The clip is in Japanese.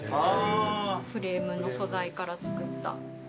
フレームの素材から作った。